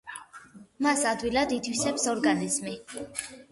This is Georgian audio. მას ადვილად ითვისებს ორგანიზმი.